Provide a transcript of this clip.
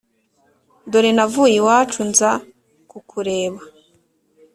dore navuye iwacu nza kukureba